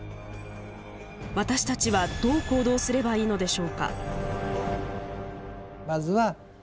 私たちはどう行動すればいいのでしょうか？